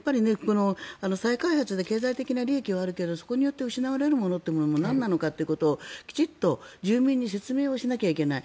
再開発って経済的な利益はあるけどそこによって失われるものがなんなのかということをきちんと住民に説明をしなきゃいけない。